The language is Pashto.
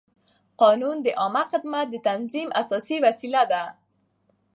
قانون د عامه خدمت د تنظیم اساسي وسیله ده.